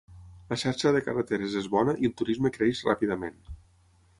La xarxa de carreteres és bona i el turisme creix ràpidament.